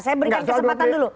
saya berikan kesempatan dulu